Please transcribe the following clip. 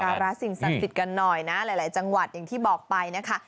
การะสิ่งศักดิ์สิทธิ์กันหน่อยนะหลายจังหวัดอย่างที่บอกไปนะคะ